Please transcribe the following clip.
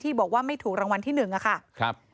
บอกว่าไม่ถูกรางวัลที่๑ค่ะ